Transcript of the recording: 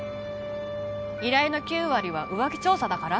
「依頼の９割は浮気調査だから」